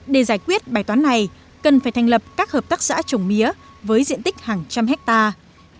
để giải quyết bài toán này cần phải thành lập các hợp tác xã trồng mía với diện tích hàng trăm hectare